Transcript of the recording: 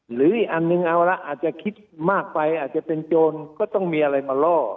หรืออีกอันนึงเอาละอาจจะคิดมากไปอาจจะเป็นโจรก็ต้องมีอะไรมาล่อ